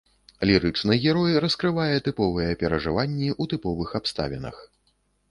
Лірычны герой раскрывае тыповыя перажыванні ў тыповых абставінах.